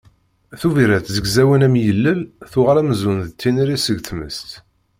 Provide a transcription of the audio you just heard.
Tubiret zegzawen am yilel, tuɣal amzun d tiniri seg tmes